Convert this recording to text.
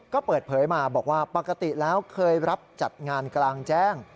ก็เปิดเผยมาบอกว่าปกติแล้วเคยรับจัดงานกลางแจ้ง